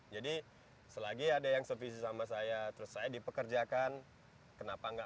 jadi selagi ada yang servisi sama saya terus saya dipekerjakan kenapa tidak